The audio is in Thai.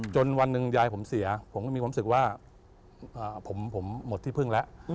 วันหนึ่งยายผมเสียผมก็มีความรู้สึกว่าผมหมดที่พึ่งแล้ว